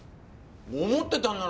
思ってたんなら。